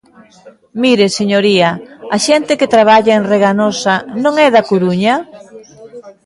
Mire, señoría, ¿a xente que traballa en Reganosa non é da Coruña?